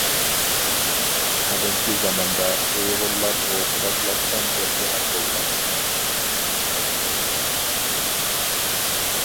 قەدىمكى زاماندا، ئۇيغۇرلار ئولتۇراقلاشقان بىر شەھەر بولغان ئىكەن.